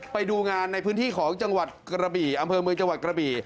ไปดูงานในพื้นที่ของจังหวัดกระบี่อำเภอเมืองจังหวัดกระบี่